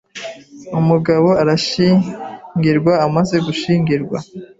Umugabo arashyingirwa Amaze gushyingirwa